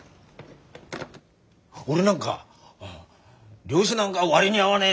俺なんか漁師なんか割に合わねえ